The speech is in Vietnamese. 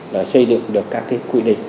là xây dựng được các cái quy định